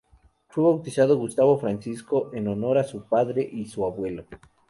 Fue bautizado Gustavo Francisco en honor a su padre y su abuelo.